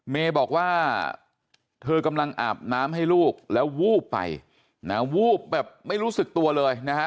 เมย์บอกว่าเธอกำลังอาบน้ำให้ลูกแล้ววูบไปนะวูบแบบไม่รู้สึกตัวเลยนะฮะ